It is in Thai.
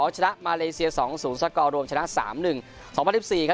๒๐๑๒ชนะมาเลเซีย๒๐สกรวมชนะ๓๑